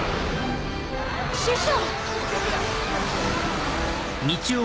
師匠！